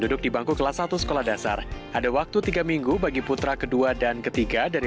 duduk di bangku kelas satu sekolah dasar ada waktu tiga minggu bagi putra kedua dan ketiga dari